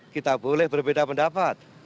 kita boleh berbeda pendapat